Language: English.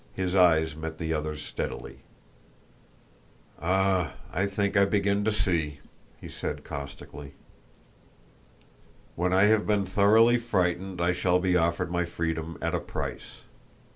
His eyes met the other's steadily. "Ah, I think I begin to see!" he said caustically. "When I have been thoroughly frightened I shall be offered my freedom at a price.